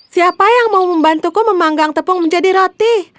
siapa yang mau membantuku memanggang tepung menjadi roti